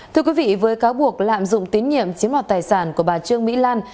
thưa quý vị với cáo buộc lạm dụng tín nhiệm chiếm mọt tài sản của bà trương mỹ lan